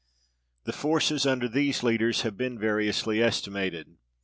The forces under these leaders have been variously estimated.